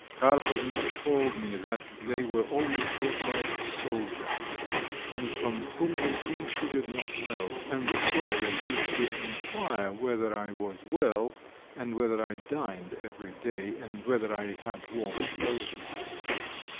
Karpovna told me that they were always brought by a soldier, and from whom they came she did not know; and the soldier used to enquire whether I was well, and whether I dined every day, and whether I had warm clothing.